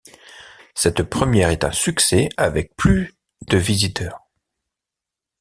Cette première est un succès, avec plus de visiteurs.